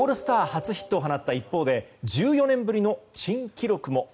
初ヒットを放った一方で１４年ぶりの珍記録も。